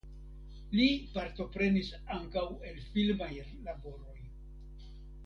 Li partoprenis ankaŭ en filmaj laboroj.